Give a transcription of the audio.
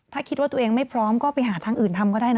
ถ้าคิดว่าตัวเองไม่พร้อมก็ไปหาทางอื่นทำก็ได้นะ